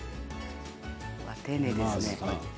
丁寧ですね。